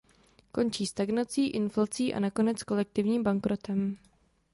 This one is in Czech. Končí stagnací, inflací a nakonec kolektivním bankrotem.